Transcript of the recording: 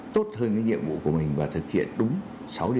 tốt hơn cái nhiệm vụ của mình và thực hiện đúng sáu điều bác hồ dạy